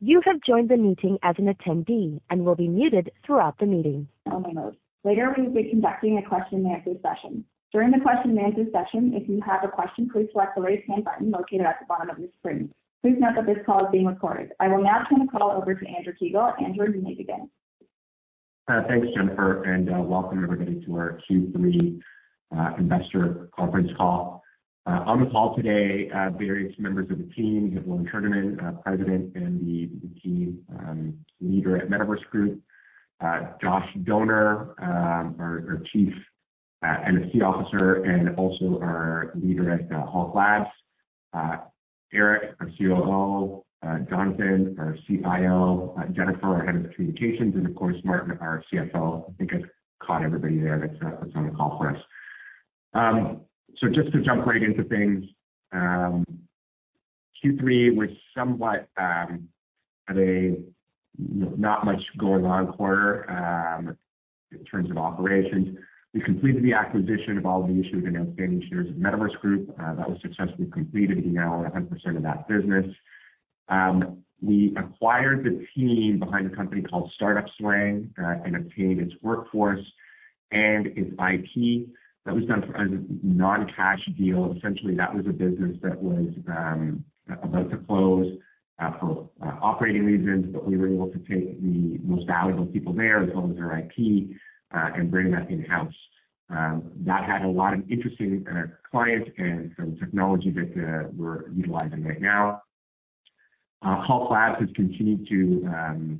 You have joined the meeting as an attendee and will be muted throughout the meeting. Later, we will be conducting a question and answer session. During the question and answer session, if you have a question, please select the Raise Hand button located at the bottom of your screen. Please note that this call is being recorded. I will now turn the call over to Andrew Kiguel. Andrew, you may begin. Thanks, Jennifer, and Welcome everybody to our Q3 Investor Conference Call. On the call today, various members of the team, you have Lorne Sugarman, President, and the, the key leader at Metaverse Group. Josh Doner, our Chief NFT Officer, and also our leader at Hulk Labs. Eric, our COO, Jonathan, our CIO, Jennifer, our Head of Communications, and of course, Martin, our CFO. I think I've caught everybody there that's on the call for us. Just to jump right into things, Q3 was somewhat a not much going on quarter in terms of operations. We completed the acquisition of all the issues and outstanding shares of Metaverse Group. That was successfully completed. We now own 100% of that business. We acquired the team behind a company called Startup Slang and obtained its workforce and its IP. That was done as a non-cash deal. Essentially, that was a business that was about to close for operating reasons, but we were able to take the most valuable people there, as well as their IP, and bring that in-house. That had a lot of interesting clients and some technology that we're utilizing right now. Hulk Labs has continued to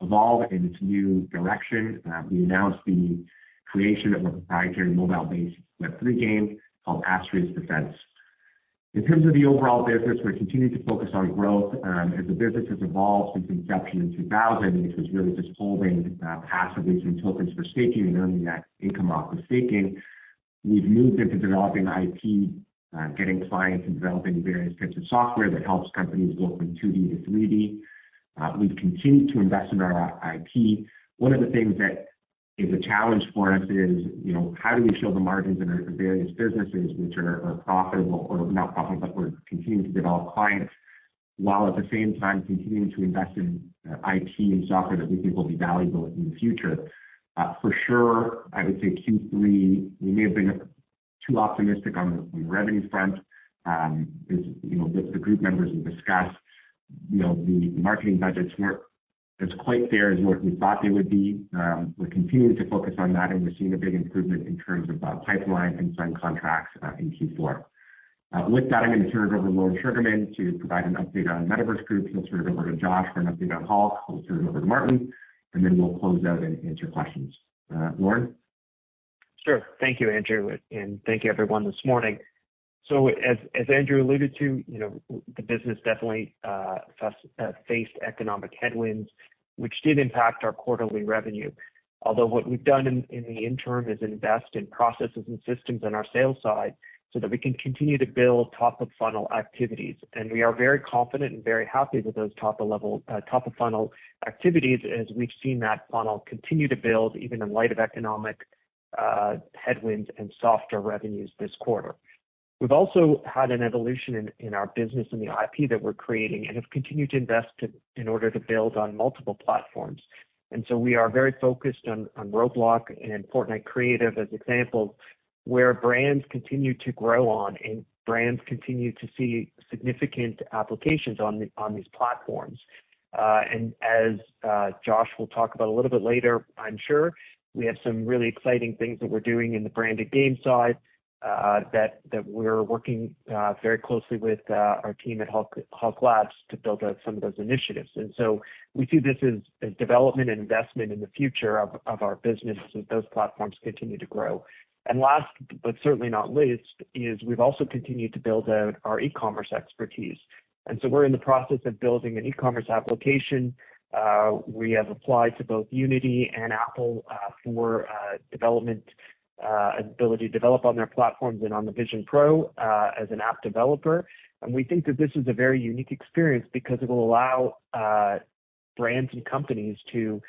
evolve in its new direction. We announced the creation of a proprietary mobile-based Web3 game called Astraeus Defense. In terms of the overall business, we're continuing to focus on growth. As the business has evolved since inception in 2000, which was really just holding, passively some tokens for staking and earning that income off the staking, we've moved into developing IP, getting clients and developing various types of software that helps companies go from 2D to 3D. We've continued to invest in our IP. One of the things that is a challenge for us is, you know, how do we show the margins in our various businesses, which are, are profitable or not profitable, but we're continuing to develop clients, while at the same time continuing to invest in IP and software that we think will be valuable in the future? For sure, I would say Q3, we may have been too optimistic on the revenue front. As you know, with the group members, we discussed, you know, the marketing budgets weren't as quite there as what we thought they would be. We're continuing to focus on that, we're seeing a big improvement in terms of pipeline and signed contracts in Q4. With that, I'm gonna turn it over to Lorne Sugarman to provide an update on Metaverse Group. He'll turn it over to Josh for an update on Hulk, who will turn it over to Martin, then we'll close out and answer questions. Lorne? Sure. Thank you, Andrew, and thank you everyone, this morning. As, as Andrew alluded to, you know, the business definitely faced economic headwinds, which did impact our quarterly revenue. Although what we've done in, in the interim is invest in processes and systems on our sales side so that we can continue to build top-of-funnel activities. We are very confident and very happy with those top-of-level, top-of-funnel activities, as we've seen that funnel continue to build, even in light of economic headwinds and softer revenues this quarter. We've also had an evolution in, in our business in the IP that we're creating and have continued to invest to, in order to build on multiple platforms. So we are very focused on, on Roblox and Fortnite Creative as examples, where brands continue to grow on, and brands continue to see significant applications on the, on these platforms. As Josh will talk about a little bit later, I'm sure, we have some really exciting things that we're doing in the branded game side, that we're working very closely with our team at Hulk Labs to build out some of those initiatives. So we see this as, as development and investment in the future of, of our business as those platforms continue to grow. Last but certainly not least, is we've also continued to build out our e-commerce expertise, and so we're in the process of building an e-commerce application. We have applied to both Unity and Apple, for development, ability to develop on their platforms and on the Vision Pro, as an app developer. We think that this is a very unique experience because it will allow brands and companies to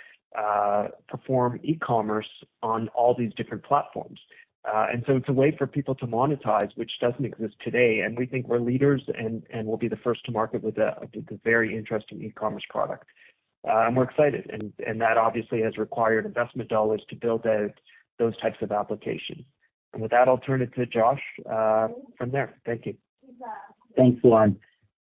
perform e-commerce on all these different platforms. So it's a way for people to monetize, which doesn't exist today, and we think we're leaders and we'll be the first to market with a very interesting e-commerce product. We're excited, and that obviously has required investment dollars to build out those types of applications. With that, I'll turn it to Josh from there. Thank you. Thanks, Lorne.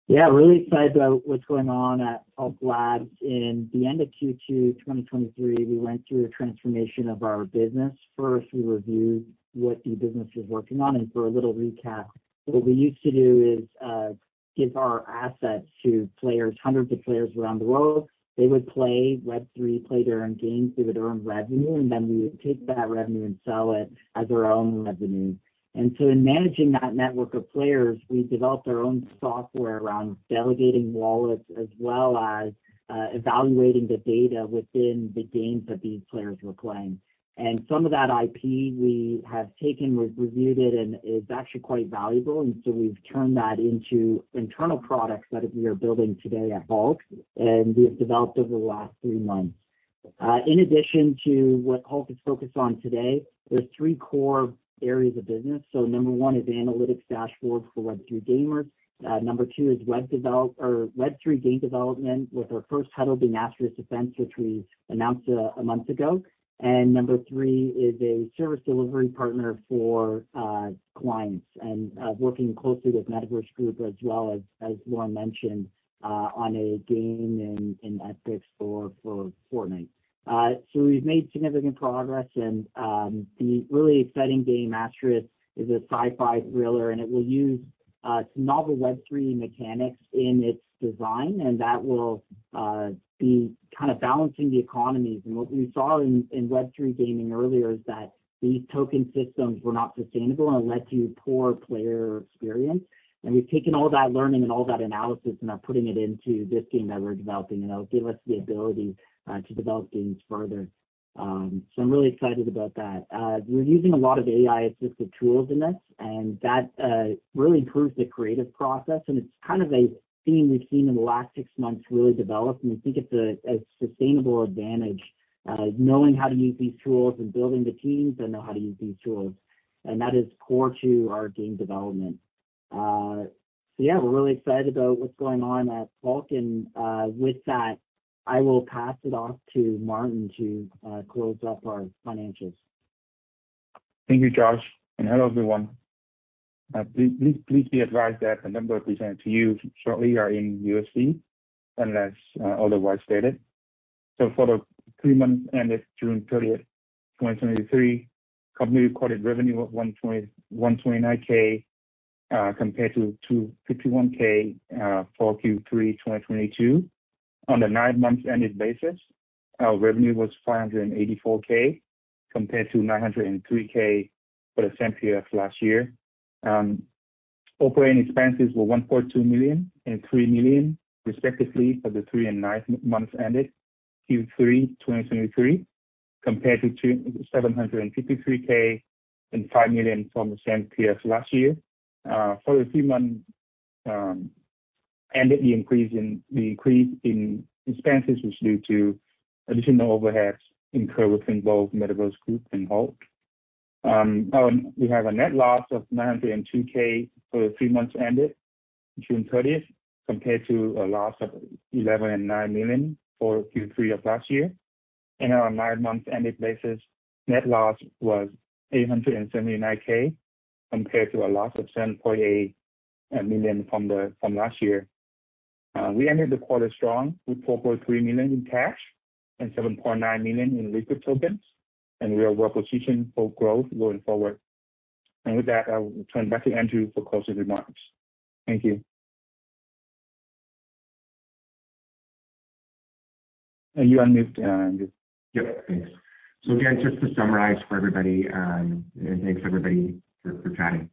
Yeah, really excited about what's going on at Hulk Labs. In the end of Q2 2023, we went through a transformation of our business. First, we reviewed what the business was working on. For a little recap, what we used to do is give our assets to players, hundreds of players around the world. They would play Web3, play their own games, they would earn revenue. Then we would take that revenue and sell it as our own revenue. So in managing that network of players, we developed our own software around delegating wallets, as well as evaluating the data within the games that these players were playing. Some of that IP we have taken, we've reviewed it, and it's actually quite valuable. We've turned that into internal products that we are building today at Hulk, and we have developed over the last 3 months. In addition to what Hulk is focused on today, there's 3 core areas of business. Number 1 is analytics dashboards for Web3 gamers. Number 2 is Web3 game development, with our first title being Astraeus Defense, which we announced a month ago. Number 3 is a service delivery partner for clients and working closely with Metaverse Group, as well as, as Lore mentioned, on a game in Epic Store for Fortnite. We've made significant progress, and the really exciting game, Astraeus, is a sci-fi thriller, and it will use some novel Web3 mechanics in its design, and that will be kind of balancing the economies. What we saw in Web3 gaming earlier is that these token systems were not sustainable and led to poor player experience. We've taken all that learning and all that analysis, and are putting it into this game that we're developing, and it'll give us the ability to develop games further. So I'm really excited about that. We're using a lot of AI-assisted tools in this, and that really improves the creative process, and it's kind of a theme we've seen in the last six months really develop. We think it's a sustainable advantage, knowing how to use these tools and building the teams that know how to use these tools. That is core to our game development. So yeah, we're really excited about what's going on at Hulk. With that, I will pass it off to Martin to close off our financials. Thank you, Josh. Hello, everyone. Please be advised that the numbers presented to you shortly are in USD, unless otherwise stated. For the 3 months ended June 30, 2023, company recorded revenue of $129K, compared to $251K for Q3 2022. On the 9 months ended basis, our revenue was $584K, compared to $903K for the same period of last year. Operating expenses were $1.2 million and $3 million, respectively, for the 3 and 9 months ended Q3 2023, compared to $753K and $5 million from the same period last year. For the 3 months ended, the increase in expenses was due to additional overheads incurred within both Metaverse Group and Hulk. We have a net loss of $902K for the 3 months ended June 30th, compared to a loss of $11.9 million for Q3 of last year. On a 9-month ended basis, net loss was $879K, compared to a loss of $10.8 million from last year. We ended the quarter strong, with $4.3 million in cash and $7.9 million in liquid tokens, and we are well positioned for growth going forward. With that, I will turn back to Andrew for closing remarks. Thank you. You unmuted. Yep, thanks. Again, just to summarize for everybody, and thanks everybody for, for attending.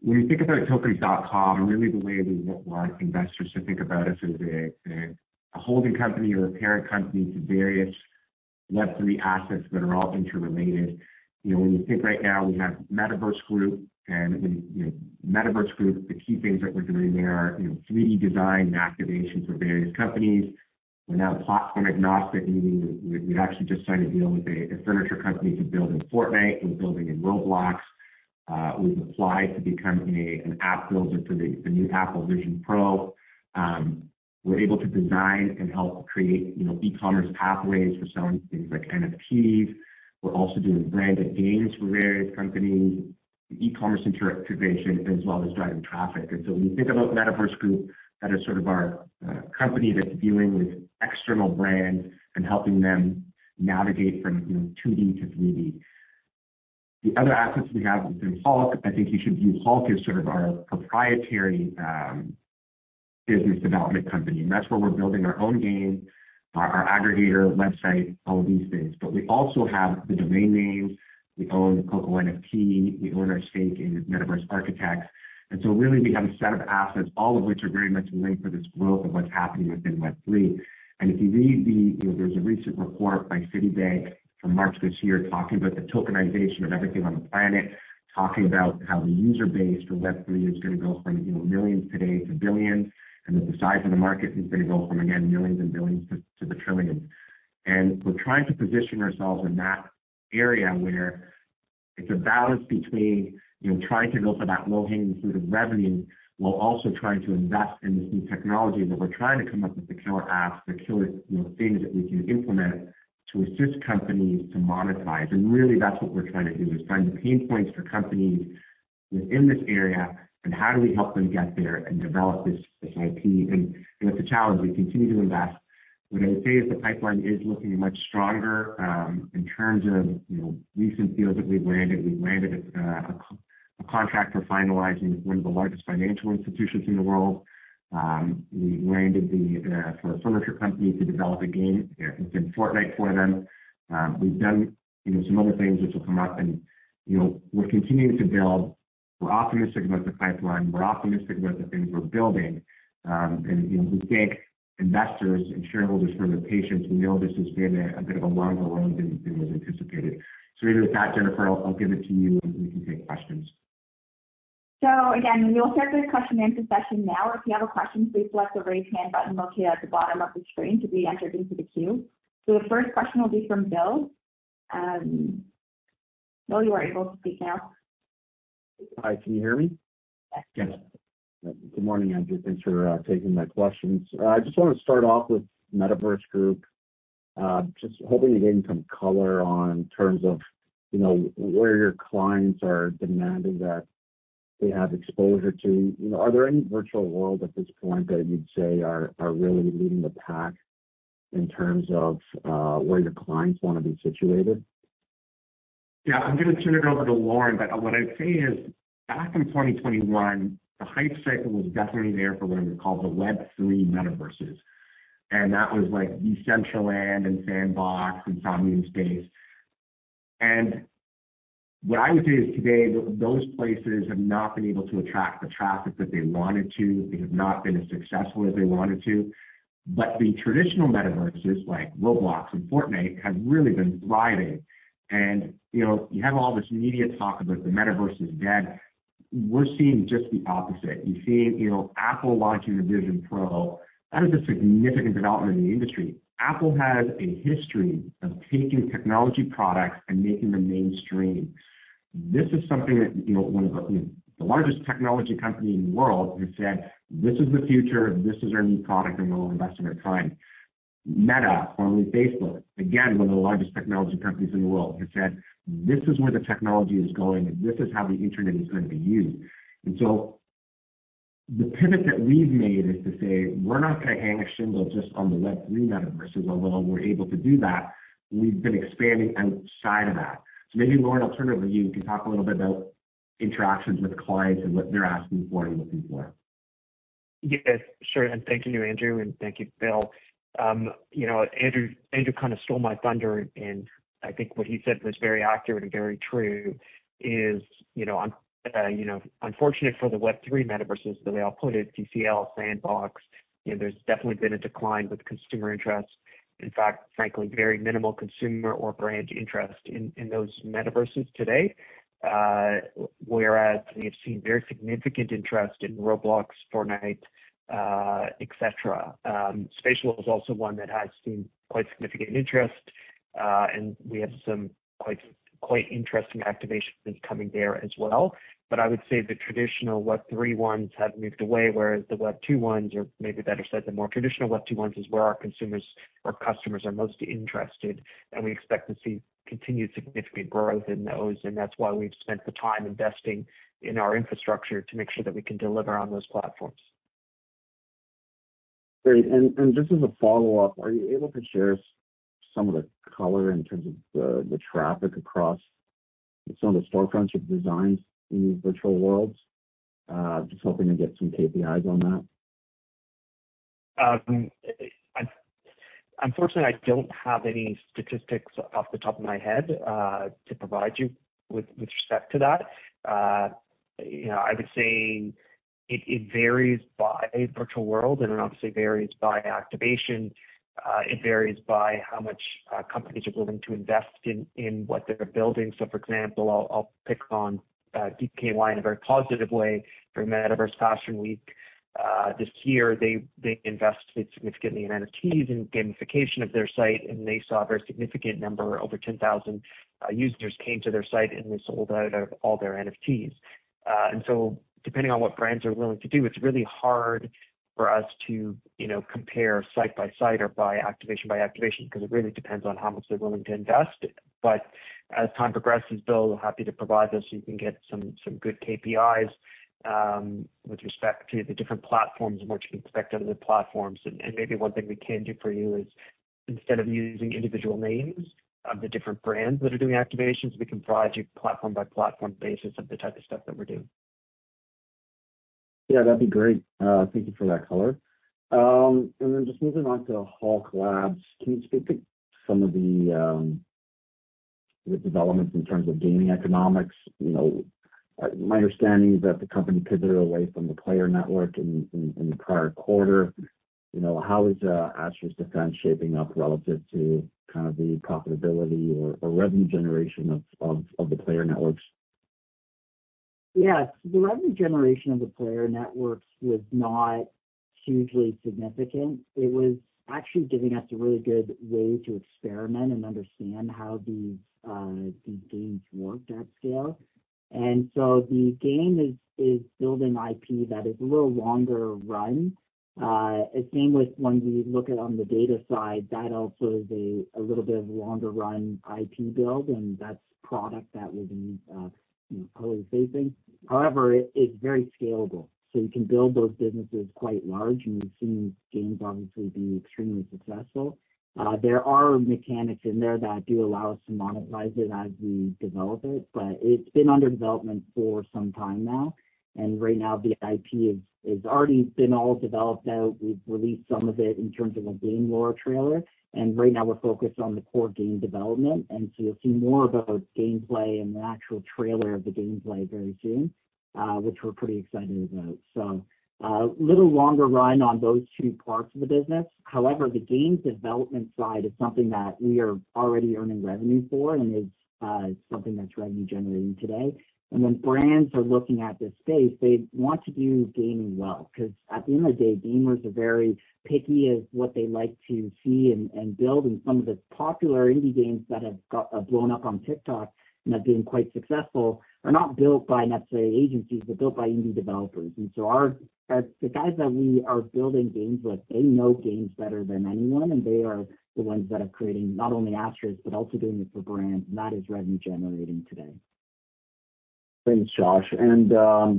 When you think about Tokens.com, really the way we want investors to think about us is a, a, a holding company or a parent company to various Web3 assets that are all interrelated. You know, when you think right now, we have Metaverse Group, and we, you know, Metaverse Group, the key things that we're doing there are, you know, three design activations for various companies. We're now platform-agnostic, meaning we, we've actually just signed a deal with a, a furniture company to build in Fortnite. We're building in Roblox. We've applied to become a, an app builder for the, the new Apple Vision Pro. We're able to design and help create, you know, e-commerce pathways for selling things like NFTs. We're also doing branded games for various companies, e-commerce integration, as well as driving traffic. So when you think about Metaverse Group, that is sort of our company that's dealing with external brands and helping them navigate from, you know, 2D to 3D. The other assets we have within Hulk, I think you should view Hulk as sort of our proprietary business development company. That's where we're building our own game, our aggregator website, all of these things. We also have the domain names. We own the CocoNFT. We own our stake in Metaverse Architects. So really, we have a set of assets, all of which are very much linked to this growth of what's happening within Web3. If you read the... You know, there's a recent report by Citi from March this year, talking about the tokenization of everything on the planet, talking about how the user base for Web3 is gonna go from, you know, millions today to billions. That the size of the market is gonna go from, again, $ millions and $ billions to, to the $ trillions. We're trying to position ourselves in that area where it's a balance between, you know, trying to go for that low-hanging fruit of revenue, while also trying to invest in this new technology, that we're trying to come up with the killer apps, the killer, you know, things that we can implement to assist companies to monetize. Really, that's what we're trying to do, is find the pain points for companies within this area and how do we help them get there and develop this, this IP. You know, it's a challenge. We continue to invest. What I would say is the pipeline is looking much stronger, in terms of, you know, recent deals that we've landed. We've landed a contract for finalizing one of the largest financial institutions in the world. We've landed the for a furniture company to develop a game within Fortnite for them. We've done, you know, some other things which will come up and, you know, we're continuing to build. We're optimistic about the pipeline. We're optimistic about the things we're building. You know, we thank investors and shareholders for their patience. We know this has been a bit of a longer road than was anticipated. With that, Jennifer, I'll give it to you, and we can take questions. Again, we will start the question and answer session now. If you have a question, please select the Raise Hand button located at the bottom of the screen to be entered into the queue. The first question will be from Bill. Bill, you are able to speak now. Hi, can you hear me? Yes. Good morning, Andrew. Thanks for, taking my questions. I just want to start off with Metaverse Group. Just hoping to get some color on terms of, you know, where your clients are demanding that they have exposure to... You know, are there any virtual world at this point that you'd say are, are really leading the pack in terms of, where your clients want to be situated? Yeah, I'm going to turn it over to Lorne, but what I'd say is, back in 2021, the hype cycle was definitely there for what are called the Web3 metaverses. That was like Decentraland and Sandbox and Somnium Space. What I would say is, today, those places have not been able to attract the traffic that they wanted to. They have not been as successful as they wanted to. The traditional metaverses, like Roblox and Fortnite, have really been thriving. You know, you have all this media talk about the metaverse is dead. We're seeing just the opposite. You're seeing, you know, Apple launching the Vision Pro. That is a significant development in the industry. Apple has a history of taking technology products and making them mainstream. This is something that, you know, one of the, the largest technology company in the world has said, "This is the future. This is our new product, and we'll invest in our time." Meta, formerly Facebook, again, one of the largest technology companies in the world, has said, "This is where the technology is going, and this is how the Internet is going to be used." So the pivot that we've made is to say, we're not going to hang a shingle just on the Web3 Metaverses, although we're able to do that, we've been expanding outside of that. Maybe, Lorne, I'll turn it over to you. You can talk a little bit about interactions with clients and what they're asking for and looking for. Yes, sure. Thank you, Andrew, and thank you, Bill. You know, Andrew, Andrew kind of stole my thunder, and I think what he said was very accurate and very true, is, you know, unfortunate for the Web3 metaverses, but they all put it DCL Sandbox. You know, there's definitely been a decline with consumer interest. In fact, frankly, very minimal consumer or brand interest in, in those metaverses today. Whereas we have seen very significant interest in Roblox, Fortnite, et cetera. Spatial is also one that has seen quite significant interest, and we have some quite, quite interesting activations coming there as well. I would say the traditional Web3 ones have moved away, whereas the Web2 ones, or maybe better said, the more traditional Web2 ones, is where our consumers or customers are most interested, and we expect to see continued significant growth in those, and that's why we've spent the time investing in our infrastructure to make sure that we can deliver on those platforms. Great. Just as a follow-up, are you able to share some of the color in terms of the, the traffic across some of the storefronts you've designed in these virtual worlds? Just hoping to get some KPIs on that. I- unfortunately, I don't have any statistics off the top of my head, to provide you with, with respect to that. You know, I would say it, it varies by a virtual world, and it obviously varies by activation. It varies by how much, companies are willing to invest in, in what they're building. For example, I'll, I'll pick on, DKNY in a very positive way. During Metaverse Fashion Week, this year, they, they invested significantly in NFTs and gamification of their site. They saw a very significant number. Over 10,000 users came to their site and they sold out of all their NFTs. So depending on what brands are willing to do, it's really hard for us to, you know, compare site by site or by activation by activation, because it really depends on how much they're willing to invest. As time progresses, Bill, happy to provide those so you can get some, some good KPIs with respect to the different platforms and what you can expect out of the platforms. Maybe one thing we can do for you is, instead of using individual names of the different brands that are doing activations, we can provide you platform by platform basis of the type of stuff that we're doing. Yeah, that'd be great. Thank you for that color. Then just moving on to Hulk Labs, can you speak to some of the developments in terms of gaming economics? You know, my understanding is that the company pivoted away from the player network in the prior quarter. You know, how is Astraeus Defense shaping up relative to kind of the profitability or revenue generation of the player networks? Yes. The revenue generation of the player networks was not hugely significant. It was actually giving us a really good way to experiment and understand how these, these games worked at scale. So the game is, is building IP that is a little longer run. The same with when we look at on the data side, that also is a, a little bit of a longer run IP build, and that's product that we've been, you know, facing. However, it's very scalable, so you can build those businesses quite large, and we've seen games obviously be extremely successful. There are mechanics in there that do allow us to monetize it as we develop it, but it's been under development for some time now, and right now the IP is, is already been all developed out. We've released some of it in terms of a game lore trailer, and right now we're focused on the core game development. You'll see more about gameplay and the actual trailer of the gameplay very soon, which we're pretty excited about. A little longer run on those two parts of the business. However, the game development side is something that we are already earning revenue for and is something that's revenue generating today. When brands are looking at this space, they want to do gaming well, because at the end of the day, gamers are very picky of what they like to see and, and build. Some of the popular indie games that have got blown up on TikTok and have been quite successful are not built by necessarily agencies, but built by indie developers. Our... The guys that we are building games with, they know games better than anyone, and they are the ones that are creating not only avatars, but also doing it for brands, and that is revenue generating today. Thanks, Josh.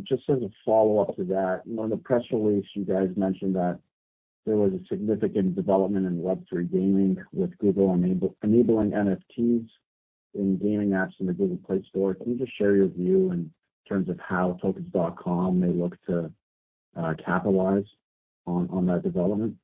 Just as a follow-up to that, you know, in the press release, you guys mentioned that there was a significant development in Web3 gaming, with Google enabling NFTs in gaming apps in the Google Play Store. Can you just share your view in terms of how Tokens.com may look to capitalize on that development?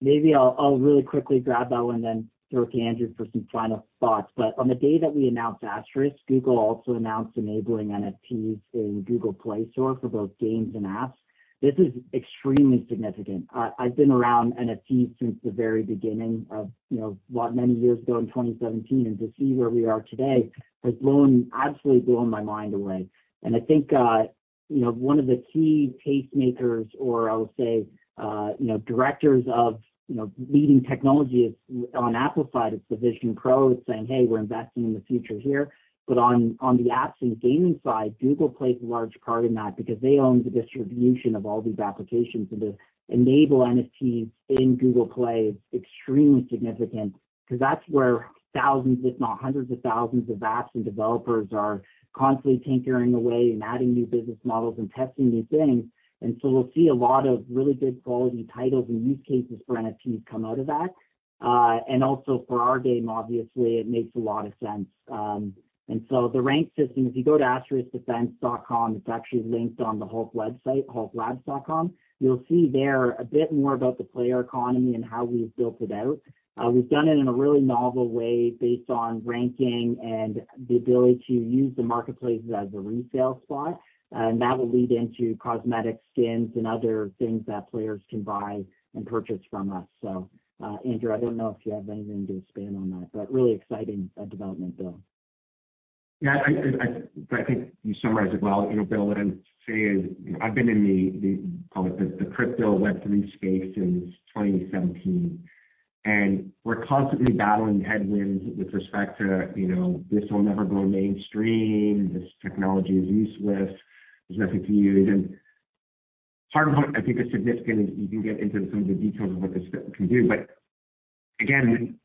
Maybe I'll, I'll really quickly grab that one, and then throw it to Andrew for some final thoughts. On the day that we announced Astraeus, Google also announced enabling NFTs in Google Play Store for both games and apps. This is extremely significant. I've been around NFTs since the very beginning of, you know, what, many years ago in 2017, and to see where we are today has blown, absolutely blown my mind away. I think, you know, one of the key pacemakers or I would say, you know, directors of, you know, leading technology is on Apple side, it's the Vision Pro saying, "Hey, we're investing in the future here." On, on the apps and gaming side, Google plays a large part in that because they own the distribution of all these applications. To enable NFTs in Google Play is extremely significant, because that's where 1,000s, if not 100,000s of apps and developers are constantly tinkering away and adding new business models and testing new things. Also for our game, obviously, it makes a lot of sense. The rank system, if you go to astraeusdefense.com, it's actually linked on the Hulk website, hulklabs.com, you'll see there a bit more about the player economy and how we've built it out. We've done it in a really novel way, based on ranking and the ability to use the marketplace as a resale spot. That will lead into cosmetic skins and other things that players can buy and purchase from us. Andrew, I don't know if you have anything to expand on that, but really exciting, development though. Yeah, I, I, I, I think you summarized it well. You know, Bill, what I'd say is, I've been in the, the, call it the, the crypto Web3 space since 2017, and we're constantly battling headwinds with respect to, you know, this will never go mainstream, this technology is useless, there's nothing to use. Part of what I think is significant is you can get into some of the details of what this can do. Again,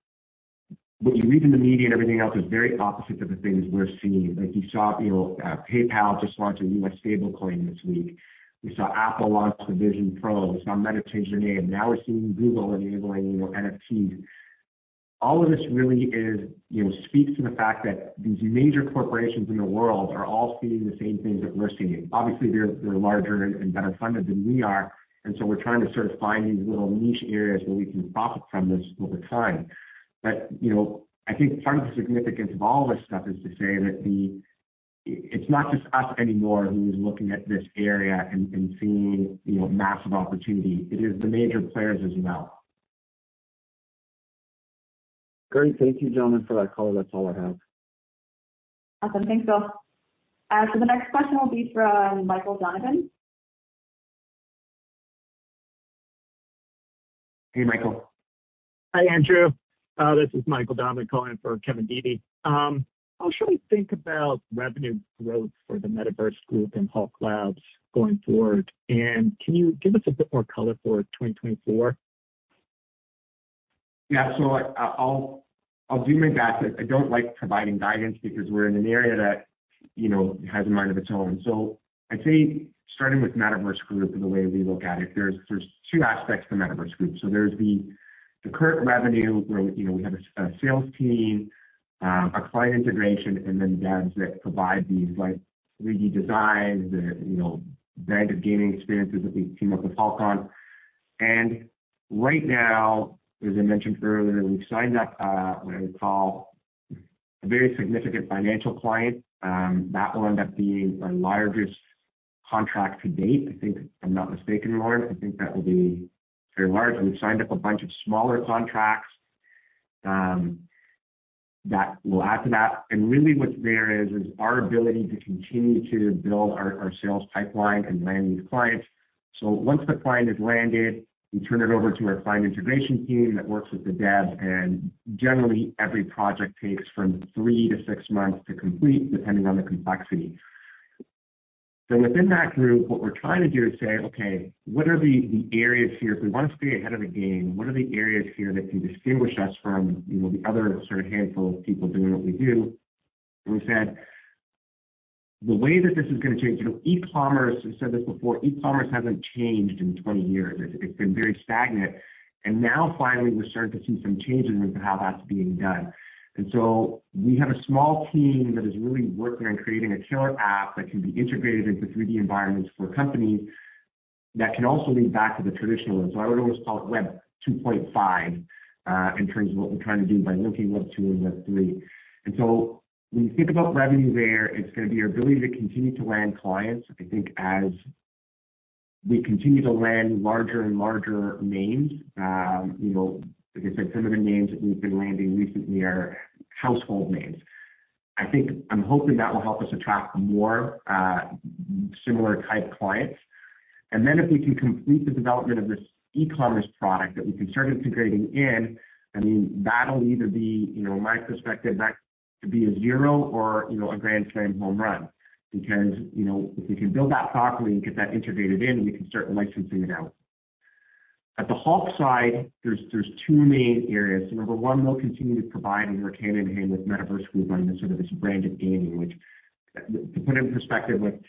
what you read in the media and everything else is very opposite to the things we're seeing. Like you saw, you know, PayPal just launch a U.S. dollar stablecoin this week. We saw Apple launch the Vision Pro. We saw Meta change their name. Now we're seeing Google enabling, you know, NFTs. All of this really is, you know, speaks to the fact that these major corporations in the world are all seeing the same things that we're seeing. Obviously, they're, they're larger and better funded than we are, so we're trying to sort of find these little niche areas where we can profit from this over time. You know, I think part of the significance of all this stuff is to say that the It's not just us anymore who's looking at this area and, and seeing, you know, massive opportunity. It is the major players as well. Great. Thank you, gentlemen, for that call. That's all I have. Awesome. Thanks, Bill. The next question will be from Michael Donovan. Hey, Michael. Hi, Andrew. This is Michael Donovan calling for Kevin Dede. How should we think about revenue growth for the Metaverse Group and Hulk Labs going forward? Can you give us a bit more color for 2024? Yeah. I, I, I'll, I'll do my best, but I don't like providing guidance because we're in an area that, you know, has a mind of its own. I'd say starting with Metaverse Group and the way we look at it, there's, there's two aspects to Metaverse Group. There's the, the current revenue where, you know, we have a, a sales team, a client integration, and then devs that provide these like 3D designs and, you know, branded gaming experiences that we team up with Hulk on. Right now, as I mentioned earlier, we've signed up, what I would call a very significant financial client. That will end up being our largest contract to date, I think, if I'm not mistaken, Lorne, I think that will be very large. We've signed up a bunch of smaller contracts, that will add to that. Really what's there is, is our ability to continue to build our, our sales pipeline and land these clients. Once the client is landed, we turn it over to our client integration team that works with the devs, and generally, every project takes from 3 to 6 months to complete, depending on the complexity. Within that group, what we're trying to do is say, "Okay, what are the, the areas here? If we want to stay ahead of the game, what are the areas here that can distinguish us from, you know, the other sort of handful of people doing what we do?" We said, "The way that this is gonna change..." You know, e-commerce, I've said this before, e-commerce hasn't changed in 20 years. It, it's been very stagnant, and now finally, we're starting to see some changes in how that's being done. We have a small team that is really working on creating a killer app that can be integrated into 3D environments for companies, that can also lead back to the traditional one. I would almost call it Web 2.5 in terms of what we're trying to do by linking Web2 and Web3. When you think about revenue there, it's gonna be our ability to continue to land clients. I think as we continue to land larger and larger names, you know, like I said, some of the names that we've been landing recently are household names. I think, I'm hoping that will help us attract more similar type clients. If we can complete the development of this e-commerce product that we can start integrating in, I mean, that'll either be, you know, in my perspective, that could be a zero or, you know, a grand slam home run. If we can build that properly and get that integrated in, we can start licensing it out. At the Hulk side, there's two main areas. Number one, we'll continue to provide and work hand-in-hand with Metaverse Group on this sort of this branded gaming, which, to put it in perspective, like,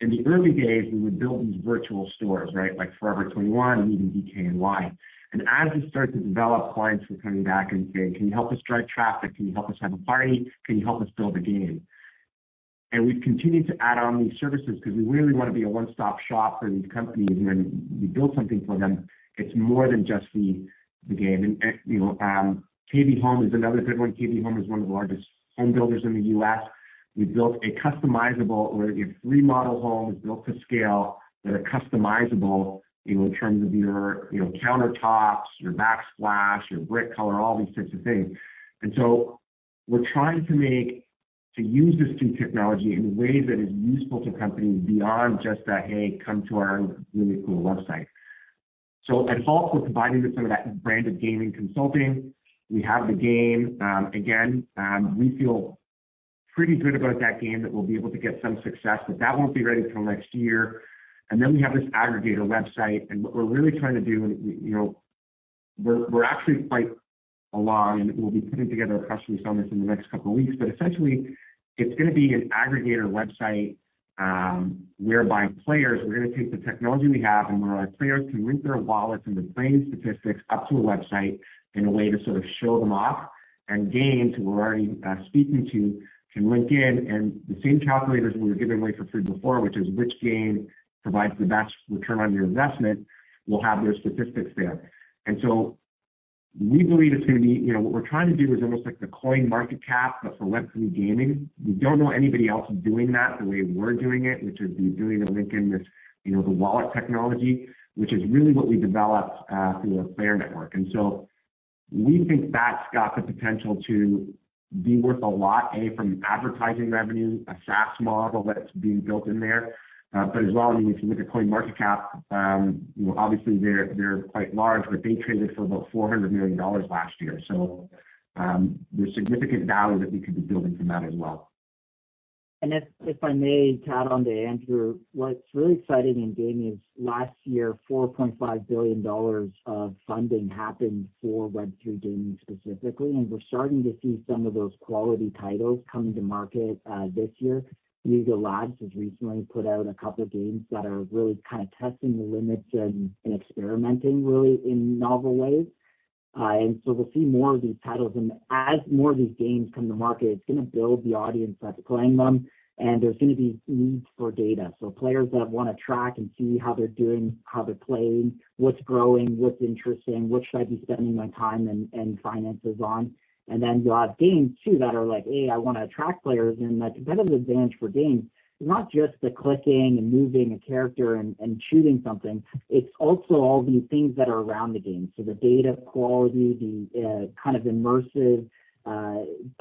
in the early days, we would build these virtual stores, right? Like Forever 21, H&M, DKNY. As we start to develop, clients were coming back and saying, "Can you help us drive traffic? Can you help us have a party? Can you help us build a game? We've continued to add on these services because we really want to be a one-stop shop for these companies. When we build something for them, it's more than just the, the game. You know, KB Home is another good one. KB Home is one of the largest home builders in the US. We built a customizable or a 3-model home, built to scale, that are customizable, you know, in terms of your, you know, countertops, your backsplash, your brick color, all these types of things. We're trying to make, to use this new technology in ways that is useful to companies beyond just that, "Hey, come to our really cool website." At Hulk, we're providing some of that branded gaming consulting. We have the game. Again, we feel pretty good about that game, that we'll be able to get some success, but that won't be ready till next year. Then we have this aggregator website, and what we're really trying to do, you know, we're, we're actually quite along, and we'll be putting together a press release on this in the next couple of weeks. Essentially, it's gonna be an aggregator website, whereby players, we're gonna take the technology we have, and where our players can link their wallets and their playing statistics up to a website in a way to sort of show them off. Games we're already speaking to, can link in, and the same calculators we were giving away for free before, which is which game provides the best return on your investment, will have their statistics there. So we believe it's gonna be... You know, what we're trying to do is almost like the CoinMarketCap, but for Web3 gaming. We don't know anybody else doing that the way we're doing it, which is be doing the link in this, you know, the wallet technology, which is really what we developed through our player network. So we think that's got the potential to be worth a lot, A, from advertising revenue, a SaaS model that's being built in there. As well, I mean, if you look at CoinMarketCap, obviously they're, they're quite large, but they traded for about $400 million last year. There's significant value that we could be building from that as well. If, if I may add on to Andrew, what's really exciting in gaming is last year, $4.5 billion of funding happened for Web3 gaming specifically, and we're starting to see some of those quality titles coming to market this year. Hulk Labs has recently put out a couple of games that are really kind of testing the limits and experimenting really in novel ways. We'll see more of these titles. As more of these games come to market, it's gonna build the audience that's playing them, and there's gonna be needs for data. Players that want to track and see how they're doing, how they're playing, what's growing, what's interesting, what should I be spending my time and finances on? Then you'll have games too, that are like, "Hey, I wanna attract players." A competitive advantage for games is not just the clicking and moving a character and, and choosing something, it's also all these things that are around the game. The data quality, the kind of immersive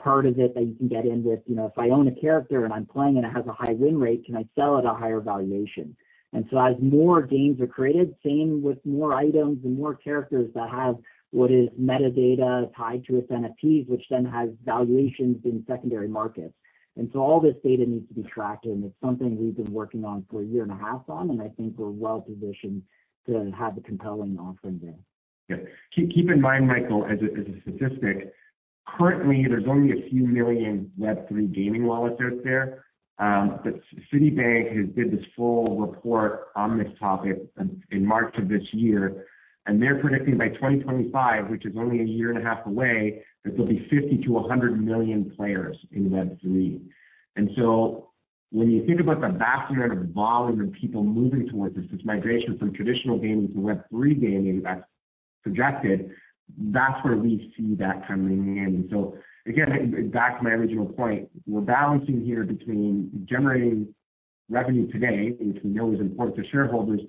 part of it that you can get in with. You know, if I own a character and I'm playing and it has a high win rate, can I sell at a higher valuation? As more games are created, same with more items and more characters that have what is metadata tied to its NFTs, which then has valuations in secondary markets. So all this data needs to be tracked, and it's something we've been working on for a year and a half on, and I think we're well positioned to have a compelling offering there. Yeah. Keep in mind, Michael, as a, as a statistic, currently, there's only a few million Web3 gaming wallets out there. Citi has did this full report on this topic in, in March of this year, and they're predicting by 2025, which is only a year and a half away, that there'll be 50-100 million players in Web3. When you think about the vast amount of volume and people moving towards this, this migration from traditional gaming to Web3 gaming that's projected, that's where we see that coming in. Again, back to my original point, we're balancing here between generating revenue today, which we know is important to shareholders,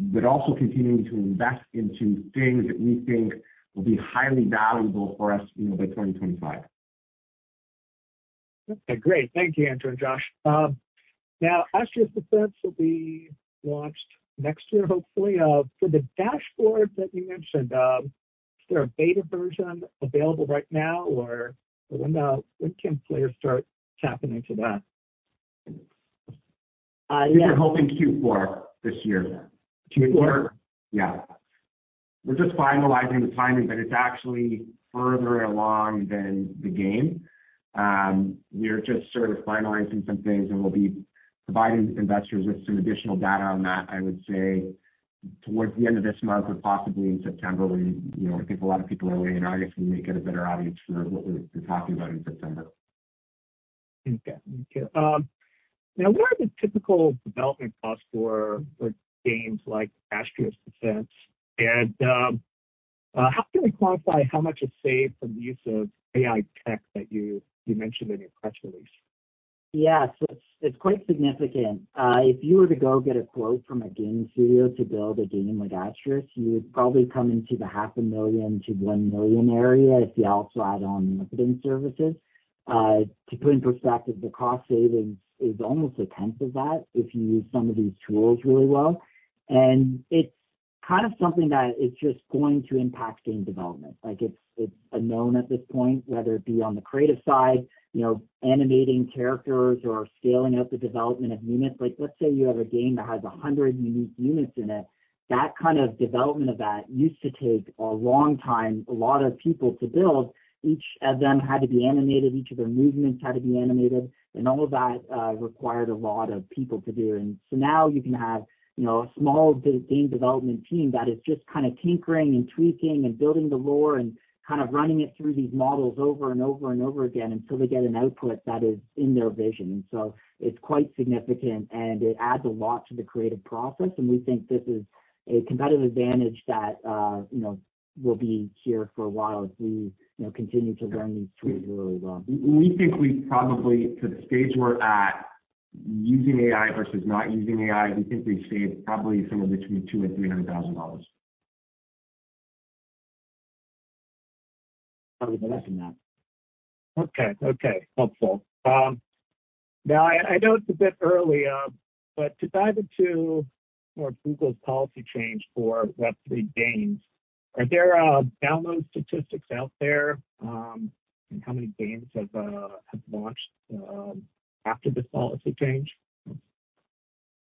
but also continuing to invest into things that we think will be highly valuable for us, you know, by 2025. Okay, great. Thank you, Andrew and Josh. Now Astraeus Defense will be launched next year, hopefully. For the dashboard that you mentioned, is there a beta version available right now, or when can players start tapping into that? Uh, yeah- We're hoping Q4 this year. Q4? Yeah. We're just finalizing the timing, but it's actually further along than the game. We're just sort of finalizing some things, and we'll be providing investors with some additional data on that, I would say, towards the end of this month or possibly in September, when, you know, I think a lot of people are away in August. We may get a better audience for what we're, we're talking about in September. Okay. Now, what are the typical development costs for games like Astraeus Defense? How can we quantify how much is saved from the use of AI tech that you mentioned in your press release? Yeah. It's, it's quite significant. If you were to go get a quote from a game studio to build a game like Astraeus, you would probably come into the $500,000-$1 million area if you also add on the services. To put in perspective, the cost savings is almost a tenth of that, if you use some of these tools really well. kind of something that is just going to impact game development. Like it's, it's a known at this point, whether it be on the creative side, you know, animating characters or scaling out the development of units. Like, let's say you have a game that has 100 unique units in it, that kind of development of that used to take a long time, a lot of people to build. Each of them had to be animated, each of their movements had to be animated, and all of that required a lot of people to do. Now you can have, you know, a small game development team that is just kind of tinkering and tweaking and building the Lorne and kind of running it through these models over and over and over again until they get an output that is in their vision. It's quite significant, and it adds a lot to the creative process, and we think this is a competitive advantage that, you know, will be here for a while as we, you know, continue to learn these tools really well. We think we probably, to the stage we're at, using AI versus not using AI, we think we've saved probably somewhere between $200,000 and $300,000. I was expecting that. Okay, okay, helpful. Now, I, I know it's a bit early, but to dive into more Google's policy change for Web 3D games, are there download statistics out there, on how many games have launched after this policy change?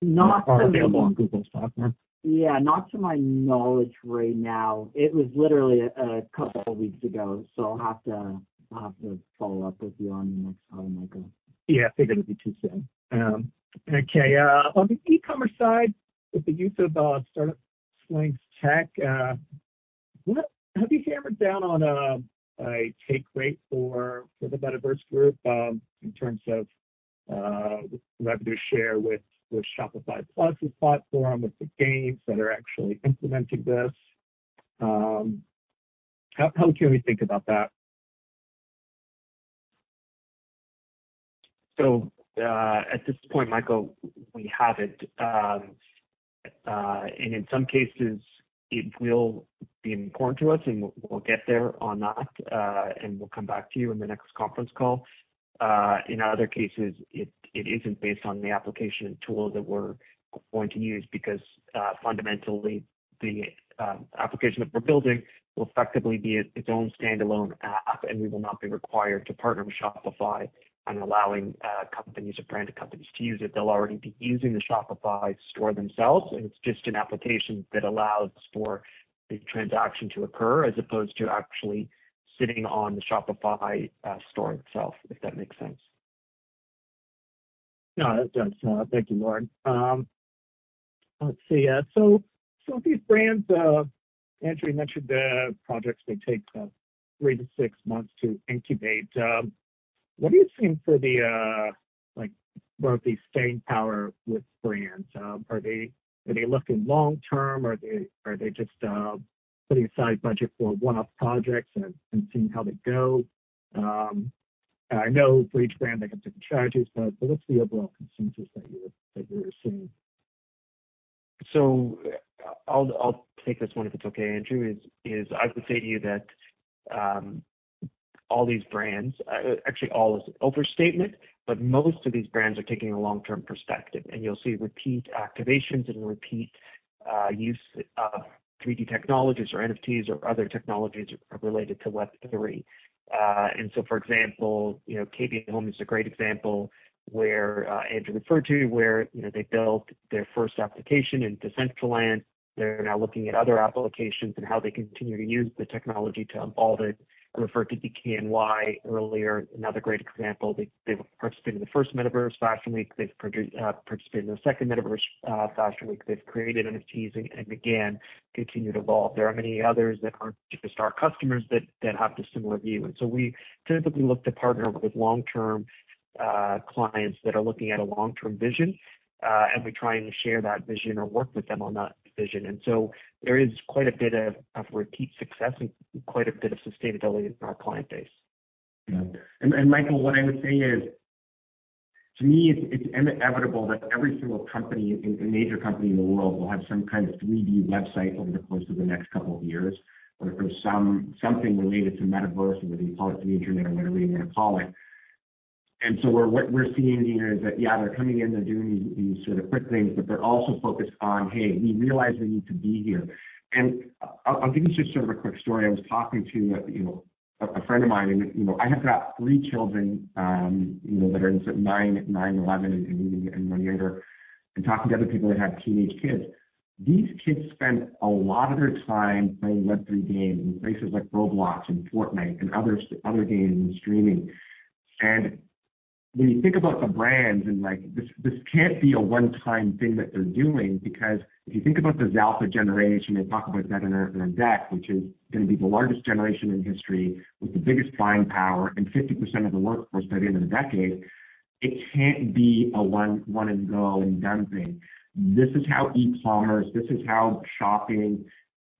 Not to. Are available on Google's platform. Yeah, not to my knowledge right now. It was literally a couple of weeks ago, I'll have to follow up with you on the next call, Michael. Yeah. I think it'll be too soon. Okay, on the e-commerce side, with the use of Startup Slang tech, have you hammered down on a take rate for the Metaverse Group, in terms of the revenue share with Shopify Plus's platform, with the games that are actually implementing this? How would you even think about that? At this point, Michael, we haven't. In some cases, it will be important to us, and we'll, we'll get there on that, and we'll come back to you in the next conference call. In other cases, it, it isn't based on the application tool that we're going to use, because fundamentally, the application that we're building will effectively be its own standalone app, and we will not be required to partner with Shopify on allowing companies or branded companies to use it. They'll already be using the Shopify store themselves, and it's just an application that allows for the transaction to occur, as opposed to actually sitting on the Shopify store itself, if that makes sense. No, it does. Thank you, Lorne. Let's see, so, so these brands, Andrew, you mentioned the projects may take 3-6 months to incubate. What are you seeing for the, like, sort of the staying power with brands? Are they, are they looking long term, or are they, are they just putting aside budget for one-off projects and, and seeing how they go? I know for each brand, they can take charges, but, but what's the overall consensus that you're, that you're seeing? I'll, I'll take this one if it's okay, Andrew. I would say to you that all these brands, actually, all is an overstatement, but most of these brands are taking a long-term perspective, and you'll see repeat activations and repeat use of 3D technologies or NFTs or other technologies related to Web3. For example, you know, KB Home is a great example where Andrew referred to, where, you know, they built their first application in Decentraland. They're now looking at other applications and how they continue to use the technology to evolve it. I referred to DKNY earlier, another great example. They've participated in the first Metaverse Fashion Week. They've participated in the second Metaverse Fashion Week. They've created NFTs and again, continue to evolve. There are many others that aren't just our customers that, that have the similar view. We typically look to partner with long-term clients that are looking at a long-term vision, and we're trying to share that vision or work with them on that vision. There is quite a bit of, of repeat success and quite a bit of sustainability in our client base. Michael, what I would say is, to me, it's, it's inevitable that every single company, and major company in the world will have some kind of 3D website over the course of the next couple of years, whether for something related to metaverse, whether you call it the internet or whatever you want to call it. What we're, we're seeing here is that, yeah, they're coming in, they're doing these sort of quick things, but they're also focused on, "Hey, we realize we need to be here." I, I'll give you just sort of a quick story. I was talking to, you know, a, a friend of mine and, you know, I have got 3 children, you know, that are 9, 9, 11, and one younger, and talking to other people that have teenage kids. These kids spend a lot of their time playing Web3 games in places like Roblox and Fortnite and others, other games and streaming. And when you think about the brands and like, this, this can't be a one-time thing that they're doing because if you think about the Generation Alpha, they talk about that in our, in our deck, which is going to be the largest generation in history with the biggest buying power and 50% of the workforce by the end of the decade, it can't be a one, one and go and done thing. This is how e-commerce, this is how shopping,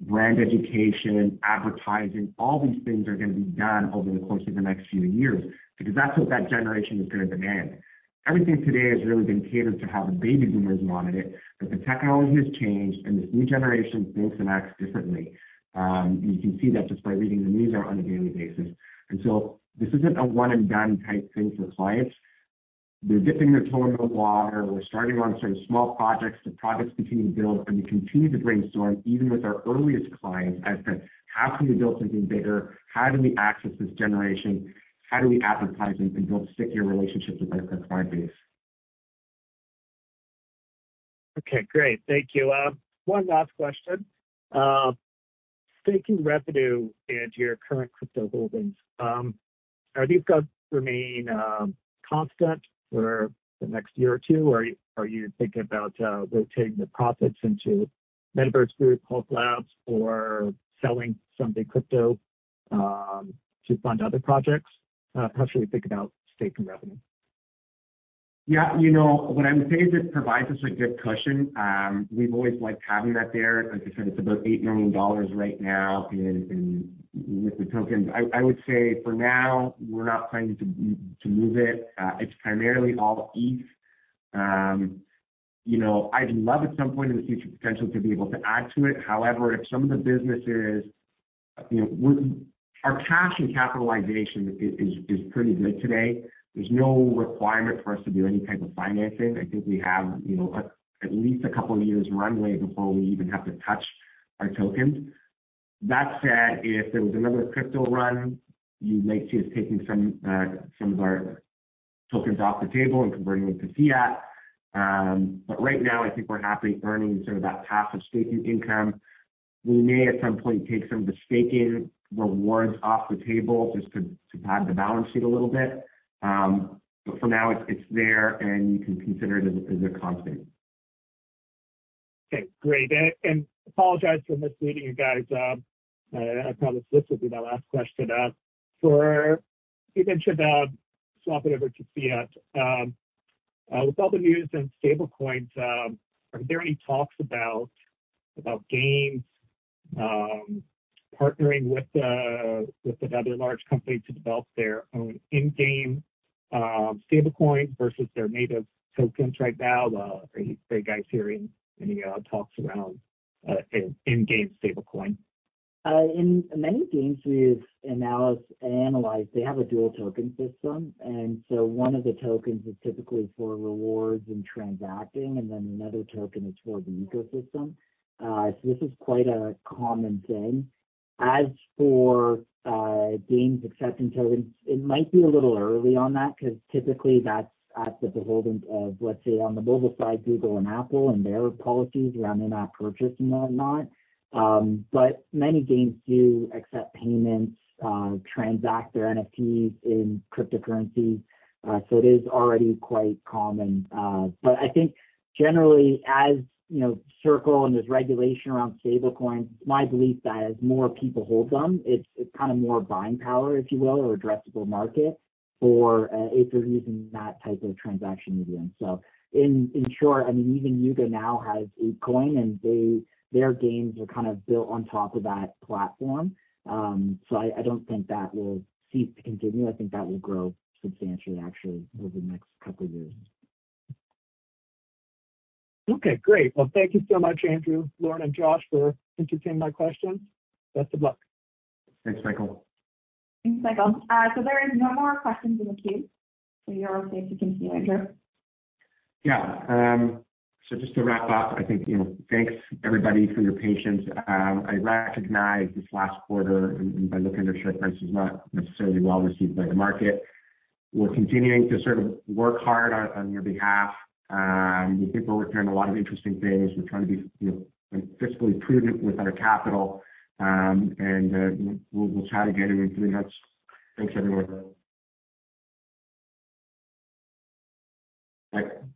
brand education, advertising, all these things are going to be done over the course of the next few years, because that's what that generation is going to demand. Everything today has really been catered to how the baby boomers wanted it, but the technology has changed, and this new generation thinks and acts differently. You can see that just by reading the news on a daily basis. This isn't a one and done type thing for clients. They're dipping their toe in the water. We're starting on some small projects. The projects continue to build, and we continue to brainstorm, even with our earliest clients, as to how can we build something bigger? How do we access this generation? How do we advertise and build stickier relationships with our current client base? Okay, great. Thank you. One last question. Staking revenue and your current crypto holdings, are these going to remain constant for the next year or two? Are you, are you thinking about rotating the profits into Metaverse Group, Hulk Labs, or selling some of the crypto to fund other projects? How should we think about staking revenue? Yeah, you know, what I would say is it provides us a good cushion. We've always liked having that there. Like I said, it's about $8 million right now in, in with the tokens. I, I would say for now, we're not planning to, to move it. It's primarily all ETH. You know, I'd love at some point in the future potentially to be able to add to it. However, if some of the businesses, you know, our cash and capitalization is, is, is pretty good today. There's no requirement for us to do any type of financing. I think we have, you know, at least a couple of years runway before we even have to touch our tokens. That said, if there was another crypto run, you might see us taking some, some of our tokens off the table and converting them to fiat. Right now, I think we're happy earning sort of that passive staking income. We may, at some point, take some of the staking rewards off the table just to, to pad the balance sheet a little bit. For now, it's, it's there, and you can consider it as a, as a constant. Okay, great. I apologize for misleading you guys. I promised this would be my last question. You mentioned about swapping over to fiat. With all the news and stablecoins, are there any talks about, about games, partnering with, with another large company to develop their own in-game, stablecoins versus their native tokens right now? Are you guys hearing any talks around in-game stablecoin? In many games we've analyzed, they have a dual token system, and so one of the tokens is typically for rewards and transacting, and then another token is for the ecosystem. This is quite a common thing. As for games accepting tokens, it might be a little early on that, 'cause typically that's at the beholding of, let's say, on the mobile side, Google and Apple and their policies around in-app purchase and whatnot. Many games do accept payments, transact their NFTs in cryptocurrency. It is already quite common. I think generally, as you know, Circle and there's regulation around stablecoins, it's my belief that as more people hold them, it's, it's kind of more buying power, if you will, or addressable market for if they're using that type of transaction medium. In, in short, I mean, even Yuga now has a coin, and they, their games are kind of built on top of that platform. I, I don't think that will cease to continue. I think that will grow substantially, actually, over the next couple of years. Okay, great. Well, thank you so much, Andrew, Lorne, and Josh, for entertaining my questions. Best of luck. Thanks, Michael. Thanks, Michael. There is no more questions in the queue, so you're safe to continue, Andrew. Yeah. Just to wrap up, I think, you know, thanks, everybody, for your patience. I recognize this last quarter, and by looking at our share price, is not necessarily well-received by the market. We're continuing to sort of work hard on, on your behalf. We think we're working on a lot of interesting things. We're trying to be, you know, fiscally prudent with our capital, and we'll, we'll chat again in three months. Thanks, everyone. Bye.